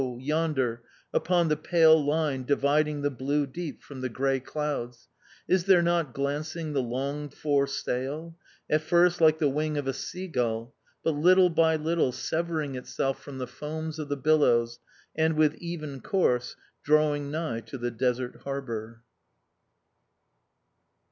yonder, upon the pale line dividing the blue deep from the grey clouds, is there not glancing the longed for sail, at first like the wing of a seagull, but little by little severing itself from the foam of the billows and, with even course, drawing nigh to the desert harbour?